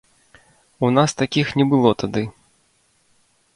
У нас такіх не было тады.